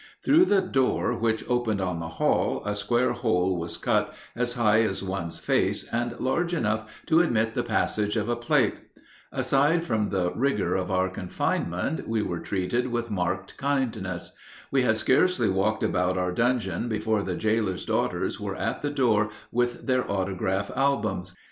Through the door which opened on the hall a square hole was cut as high as one's face and large enough to admit the passage of a plate. Aside from the rigor of our confinement we were treated with marked kindness. We had scarcely walked about our dungeon before the jailer's daughters were at the door with their autograph albums.